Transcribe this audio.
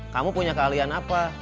kamu punya keahlian apa